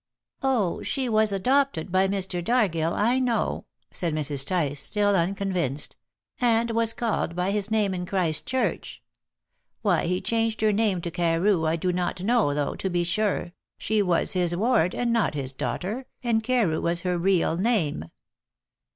"Oh, she was adopted by Mr. Dargill, I know," said Mrs. Tice, still unconvinced, "and was called by his name in Christchurch. Why he changed her name to Carew I do not know, though, to be sure, she was his ward, and not his daughter, and Carew was her real name."